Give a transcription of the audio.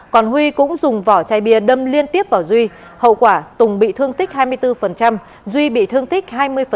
còn huy cũng dùng vỏ chai bia đâm liên tiếp vào duy hậu quả tùng bị thương tích hai mươi bốn duy bị thương tích hai mươi